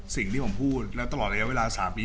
สิ่งที่ผมพูดแล้วตลอดระยะเวลา๓ปี